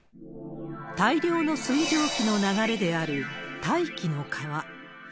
大量の水蒸気の流れである大気の川。